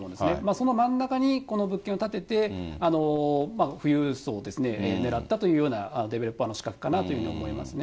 その真ん中にこの物件を建てて、富裕層ですね、ねらったというようなデベロッパーの仕掛けかなと思いますね。